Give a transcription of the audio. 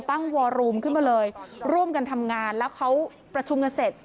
วอรูมขึ้นมาเลยร่วมกันทำงานแล้วเขาประชุมกันเสร็จ